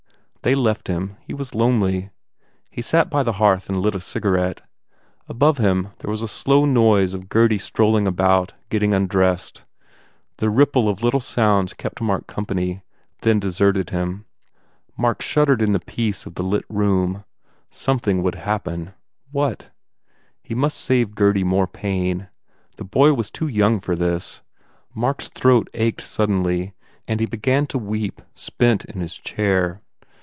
They left him. He was lonely. He sat by the hearth and lit a cigarette. Above him there was a slow noise of Gurdy strolling about, getting undressed. The ripple of little sounds kept Mark company, then deserted him. Mark shud dered in the peace of the lit room. Something worse would happen. What? He must save Gurdy more pain. The boy was too young for this. Mark s throat ached suddenly and he began to weep, soent in his chair.